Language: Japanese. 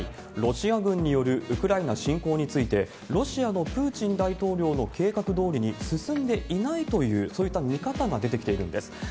ロシア軍によるウクライナ侵攻について、ロシアのプーチン大統領の計画どおりに進んでいないという、そういった見方が出てきているんです。